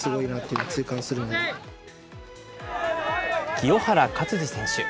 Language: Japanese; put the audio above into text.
清原勝児選手。